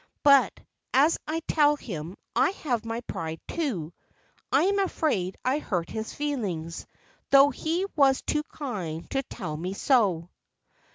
But, as I tell him, I have my pride, too. I am afraid I hurt his feelings, though he was too kind to tell me so."